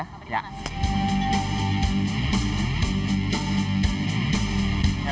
sampai ketemu di monas